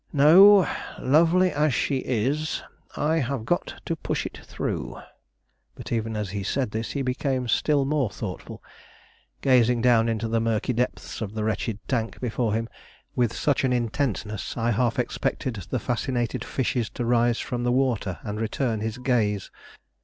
No, lovely as she is, I have got to push it through." But even as he said this, he became still more thoughtful, gazing down into the murky depths of the wretched tank before him with such an intentness I half expected the fascinated fishes to rise from the water and return his gaze.